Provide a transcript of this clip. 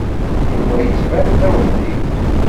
Yuba yettban d aweḥdi.